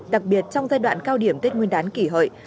đặc biệt trong giai đoạn cao điểm tết nguyên đán kỷ hợi